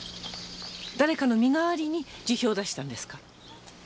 誰かの身代わりに辞表を出したんですか？